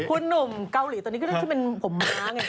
คุณหนุ่มเกาหลีตอนนี้ก็เรื่องที่เป็นผมม้าไง